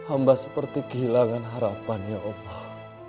amba seperti kehilangan harapan ya allah